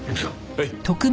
はい。